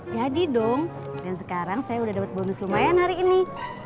jadi dong dan sekarang saya udah dapet bonus lumayan hari ini